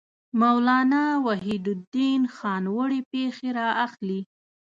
مولانا وحیدالدین خان وړې پېښې را اخلي.